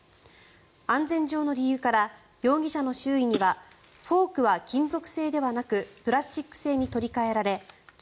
安全上の理由から容疑者の周囲にはフォークは金属製ではなくプラスチック製に取り換えられつ